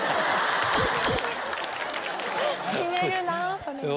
閉めるなぁそれは。